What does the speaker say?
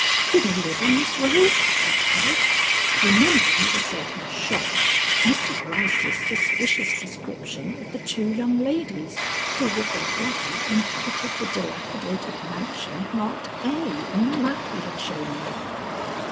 "Do they live on this road?" I cried, remembering with a certain shock Mr. Gryce's suspicious description of the two young ladies who with their brother inhabited the dilapidated mansion marked A in the map he had shown me.